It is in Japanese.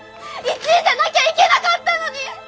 １位じゃなきゃいけなかったのに！